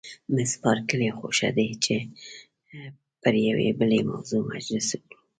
مس بارکلي: خوښه دې ده چې پر یوې بلې موضوع مجلس وکړو؟